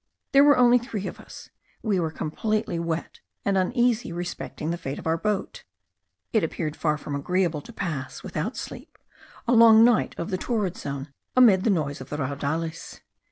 There were only three of us: we were completely wet, and uneasy respecting the fate of our boat: it appeared far from agreeable to pass, without sleep, a long night of the torrid zone amid the noise of the Raudales.